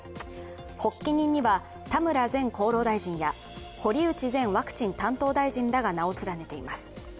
発起人には、田村前厚労大臣や堀内前ワクチン担当大臣らが名を連ねています。